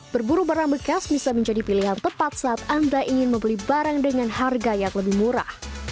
berburu barang bekas bisa menjadi pilihan tepat saat anda ingin membeli barang dengan harga yang lebih murah